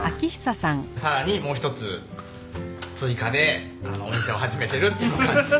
さらにもう一つ追加でお店を始めてるっていう感じ。